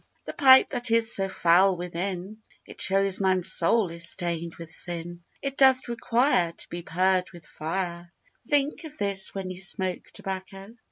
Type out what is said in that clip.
The pipe that is so foul within, It shows man's soul is stained with sin; It doth require To be purred with fire; Think of this when you smoke tobacco!